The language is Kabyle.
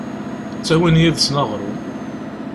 Ttawin yid-sen aɣrum…